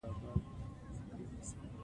يودم چیغه شوه: «بلا!»